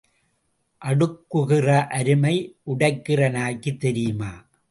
அடுக்குகிற அருமை உடைக்கிற நாய்க்குத் தெரியுமா?